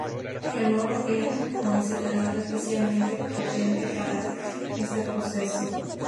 El oro era considerado especialmente potente para este proceso.